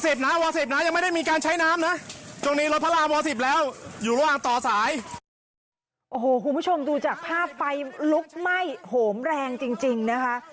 โอ้โหคุณผู้ชมดูจากภาพไฟลุกไหม้โหมแรงจริงนะคะ